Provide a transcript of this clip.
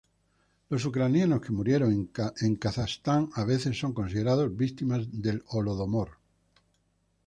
Los ucranianos que murieron en Kazajstán a veces son considerados víctimas del Holodomor.